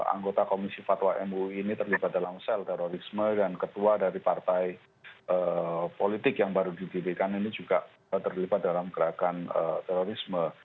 anggota komisi fatwa mui ini terlibat dalam sel terorisme dan ketua dari partai politik yang baru didirikan ini juga terlibat dalam gerakan terorisme